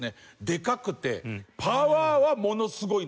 でかくてパワーはものすごい！